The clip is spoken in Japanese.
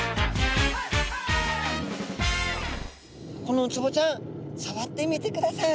このウツボちゃんさわってみてください。